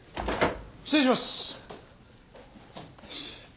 失礼します。